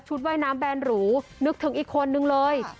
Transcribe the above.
ว่ายน้ำแบนหรูนึกถึงอีกคนนึงเลย